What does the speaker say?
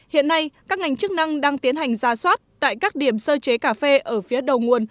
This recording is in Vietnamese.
hiện nay các ngành chức năng đang tiến hành ra soát tại các điểm sơ chế cà phê ở phía đầu nguồn